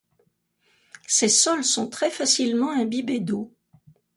Ces sols sont très facilement imbibés d'eau.